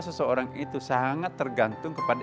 seseorang itu sangat tergantung kepada